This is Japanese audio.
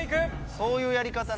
そういうやり方なんや。